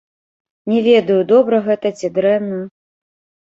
Не ведаю, добра гэта, ці дрэнна.